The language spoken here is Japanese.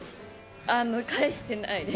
返してないです。